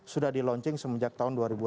sudah di launching semenjak tahun dua ribu delapan